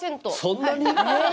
そんなに？